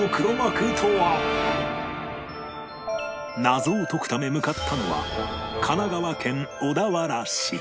謎を解くため向かったのは神奈川県小田原市